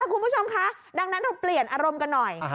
คุณผู้ชมคะดังนั้นเราเปลี่ยนอารมณ์กันหน่อย